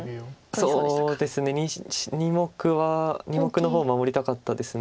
そうですね２目は２目の方を守りたかったです。